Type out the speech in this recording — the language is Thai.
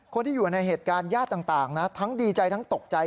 คนที่อยู่ในเหตุการณ์ญาติต่างนะทั้งดีใจทั้งตกใจ